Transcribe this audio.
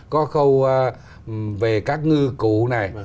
có câu về các ngư cụ này